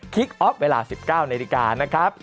ออฟเวลา๑๙นาฬิกานะครับ